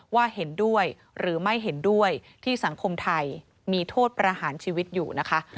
เห็นด้วยหรือไม่เห็นด้วยที่สังคมไทยมีโทษประหารชีวิตอยู่นะคะ